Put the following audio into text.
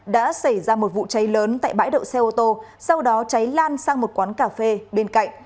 đã xảy ra một vụ cháy lớn tại bãi đậu xe ô tô sau đó cháy lan sang một quán cà phê bên cạnh